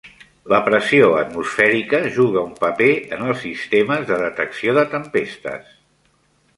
La pressió atmosfèrica juga un paper en els sistemes de detecció de tempestes.